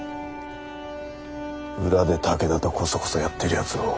裏で武田とこそこそやってるやつを。